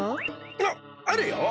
あっあるよ。